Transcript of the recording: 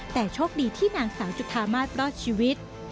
แต่โชคดีที่นางสาวจุธามาสรอดชีวิต